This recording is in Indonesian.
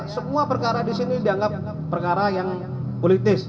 semua perkara di sini dianggap perkara yang politis